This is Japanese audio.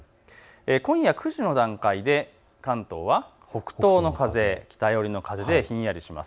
今夜９時の段階で関東は北東の風、北寄りの風でひんやりします。